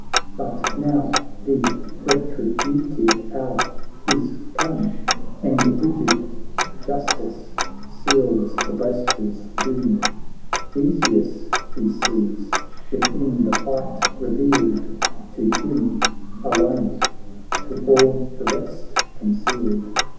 But now the retributive hour is come, And rigid justice seals the boaster's doom : Theseus he sees within the fight, revealed To him alone— to all the rest concealed.